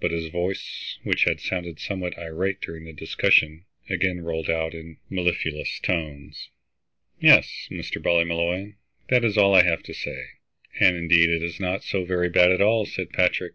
But his voice, which had sounded somewhat irate during the discussion, again rolled out in mellifluous tones. "Yes, Mr. Ballymolloy, that is all I have to say." "And indeed it's not so very bad at all," said Patrick.